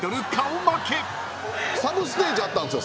サブステージあったんすよ